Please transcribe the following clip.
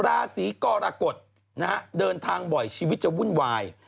ราศีกรกฎนะฮะเดินทางบ่อยชีวิตจะวุ่นวาย